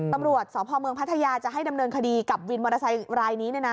ตำรวจสพเมืองพัทยาจะให้ดำเนินคดีกับวินมอเตอร์ไซค์รายนี้